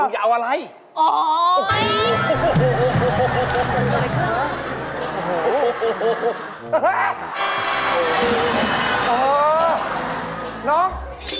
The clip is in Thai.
เออน้อง